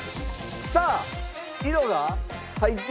さあ色が入っていく。